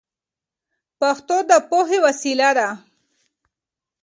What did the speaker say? پښتو د پوهې وسیله ده.